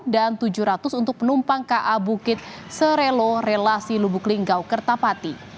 dan tujuh ratus untuk penumpang ka bukit serelo relasi lubuk linggau kerta api